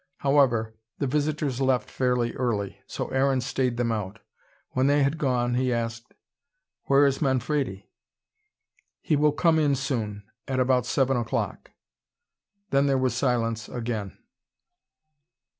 However, the visitors left fairly early, so Aaron stayed them out. When they had gone, he asked: "Where is Manfredi?" "He will come in soon. At about seven o'clock." Then there was a silence again.